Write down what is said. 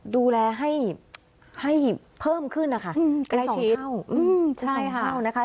ดูแลให้เพิ่มขึ้นนะคะเป็นสองเท่า